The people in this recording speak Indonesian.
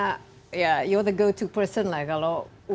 kamu orang yang paling terbaik lah kalau